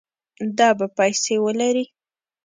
دا به پیسې ولري